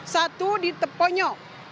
satu di teponyo